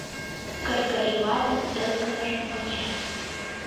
Кргори ватын ызгымыжым ончат.